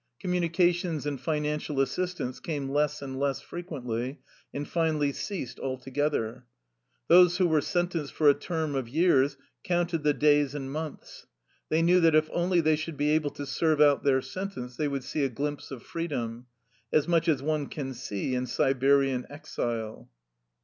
Communications and financial assistance came less and less frequently, and finally ceased alto gether. Those who were sentenced for a term of years counted the days and months. They knew that if only they should be able to serve out their sentence they would see a glimpse of freedom — as much as one can see in Siberian exile.